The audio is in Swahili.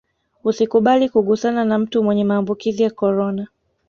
usikubali kugusana na mtu mwenye maambukizi ya korona